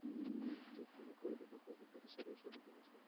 তিনি মোহামেডান ফুটবল ক্লাবের প্রতিষ্ঠার সময় থেকে এর সাথে জড়িত ছিলেন।